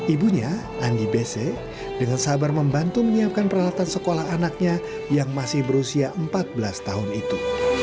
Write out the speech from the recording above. ibunya andi bese dengan sabar membantu menyiapkan peralatan sekolah anaknya yang masih berusia empat belas tahun itu